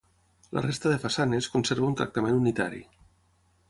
La resta de façanes conserva un tractament unitari.